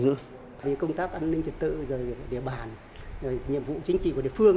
vì công tác an ninh trật tự địa bàn nhiệm vụ chính trị của địa phương